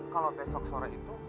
kalau besok sore itu